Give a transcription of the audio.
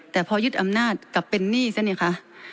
แต่พอยึดอำนาจกลับเป็นหนี้ซะเนี่ยคะ